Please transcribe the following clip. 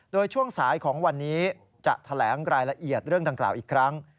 โดยช่วงสายของวันนี้จะแถลงรายละเอียดเรื่องดังกล่าวอีกครั้ง